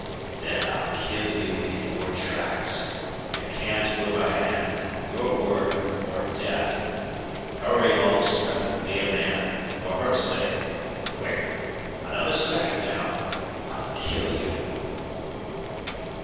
"Then I'll kill you in your tracks! You can't move a hand! Your word or death! Hurry, Longstreth! Be a man! For her sake! Quick! Another second now I'll kill you!"